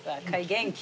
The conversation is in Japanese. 元気。